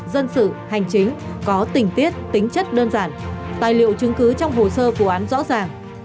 dân sự hành chính có tình tiết tính chất đơn giản tài liệu chứng cứ trong hồ sơ vụ án rõ ràng